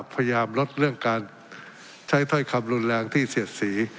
พยายามลดเรื่องการใช้ถ้อยคำรุนแรงที่เสียดสี